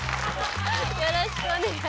よろしくお願いします。